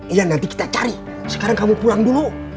iya nanti kita cari sekarang kamu pulang dulu